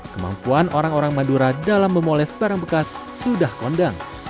kemampuan orang orang madura dalam memoles barang bekas sudah kondang